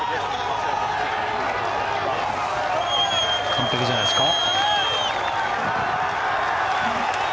完璧じゃないですか。